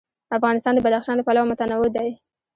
افغانستان د بدخشان له پلوه متنوع دی.